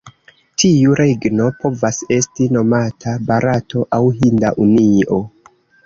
Tiu regno povas esti nomata "Barato" aŭ "Hinda Unio".